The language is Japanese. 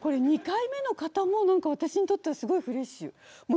これ、２回目の方も、私にとってはすごいフレッシュ。